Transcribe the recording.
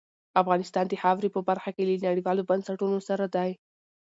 افغانستان د خاورې په برخه کې له نړیوالو بنسټونو سره دی.